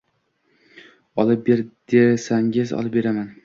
Olib ber, desangiz, olib beraman.